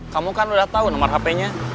kamu kan udah tahu nomor hp nya